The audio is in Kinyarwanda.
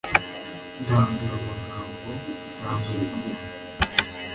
Ndambiwe amagambo Ndambiwe kumva